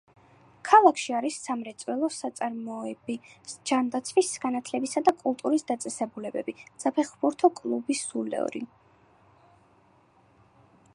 ქალაქში არის სამრეწველო საწარმოები, ჯანდაცვის, განათლებისა და კულტურის დაწესებულებები, საფეხბურთო კლუბი სულორი.